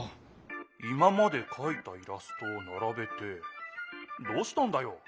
今までかいたイラストをならべてどうしたんだよ？